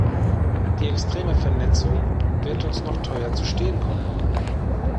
Die extreme Vernetzung wird uns noch teuer zu stehen kommen.